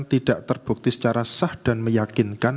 tidak terbukti secara sah dan meyakinkan